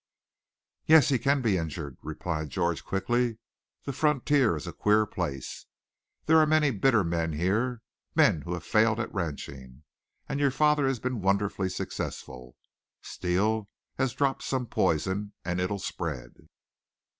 "Yes, he can be injured," replied George quickly. "The frontier is a queer place. There are many bitter men here, men who have failed at ranching. And your father has been wonderfully successful. Steele has dropped some poison, and it'll spread."